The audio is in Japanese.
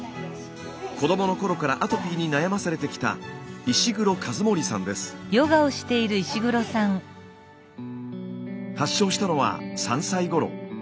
子どもの頃からアトピーに悩まされてきた発症したのは３歳頃。